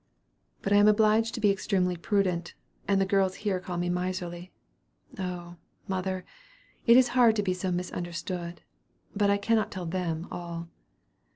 But I am obliged to be extremely prudent, and the girls here call me miserly. Oh, mother! it is hard to be so misunderstood; but I cannot tell them all.